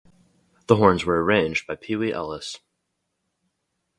The horns were arranged by Pee Wee Ellis.